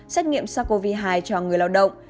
xét nghiệm sars cov hai cho người lao động